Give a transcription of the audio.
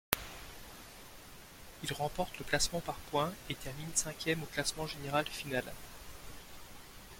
Il remporte le classement par points, et termine cinquième au classement général final.